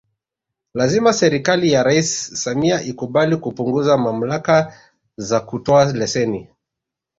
Lazima serikali ya Rais Samia ikubali kupunguza mamlaka za kutoa leseni